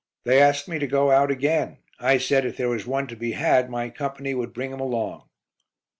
They asked me to go out again; I said, if there was one to be had my Company would bring him along."